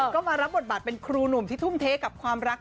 ก็มารับบทบาทเป็นครูหนุ่มที่ทุ่มเทกับความรัก